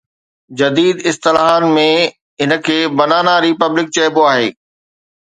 جديد اصطلاحن ۾ هن کي ’بنانا ريپبلڪ‘ چئبو آهي.